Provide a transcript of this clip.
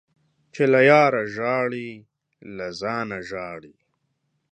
چي له ياره ژاړې ، له ځانه ژاړې.